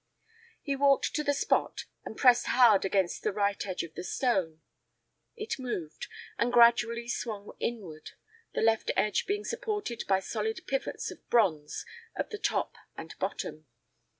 He walked to the spot and pressed hard against the right edge of the stone. It moved, and gradually swung inward, the left edge being supported by solid pivots of bronze at the top and bottom.